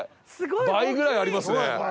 倍ぐらいありますね。